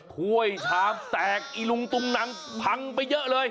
ถ้วยชามแตกอีลุงตุงนังพังไปเยอะเลย